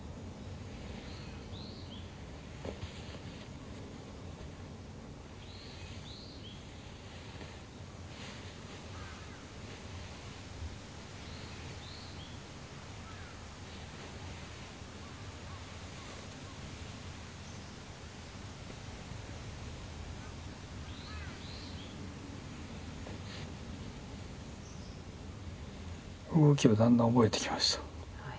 動きをだんだん覚えてきました。